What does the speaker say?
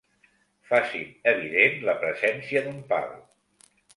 Facin evident la presència d'un pal.